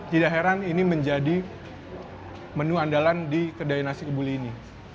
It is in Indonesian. tidak heran ini menjadi menu andalan di kedai nasi kebuli ini